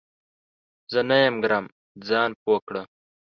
زه نه یم ګرم ، ځان پوه کړه !